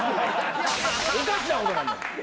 おかしなことなんねん。